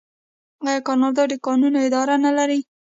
آیا کاناډا د کانونو اداره نلري؟